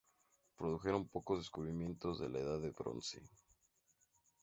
Produjeron pocos descubrimientos de la Edad de Bronce.